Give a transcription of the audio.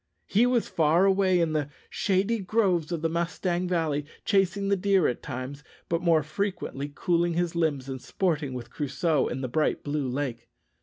He was far away in the shady groves of the Mustang Valley, chasing the deer at times, but more frequently cooling his limbs and sporting with Crusoe in the bright blue lake.